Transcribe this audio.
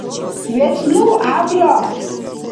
вецӀну хӀябра